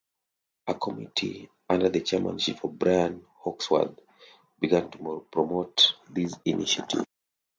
A committee, under the chairmanship of Brian Hawksworth, began to promote this initiative.